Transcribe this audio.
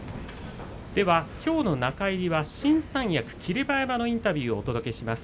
きょうの中入りは「新三役霧馬山インタビュー」をお届けします。